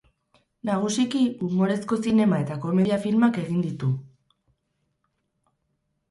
Nagusiki umorezko zinema eta komedia filmak egin ditu.